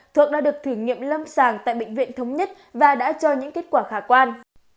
thuốc đã được thử nghiệm lâm sàng tại bệnh viện thống nhất và đã cho những kết quả khả quan